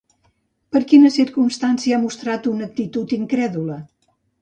Per quina circumstància ha mostrat una actitud incrèdula?